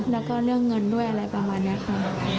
แล้วก็เรื่องเงินด้วยอะไรประมาณนี้ค่ะ